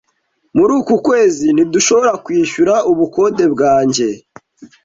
Muri uku kwezi, ntidushoborakwishyura ubukode bwanjye.